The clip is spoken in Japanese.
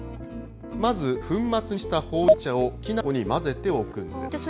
まず粉末にしたほうじ茶をきな粉に混ぜておくんです。